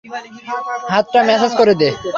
হাতটা ম্যাসাজ করে দে।